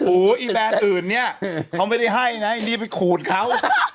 โอ้โหอีแบรนด์อื่นเนี่ยเขาไม่ได้ให้นะไอ้นี่ไปขูดเขา